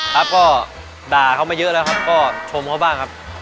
ครับก็ด่าเขามาเยอะแล้วครับก็ชมเขาบ้างครับ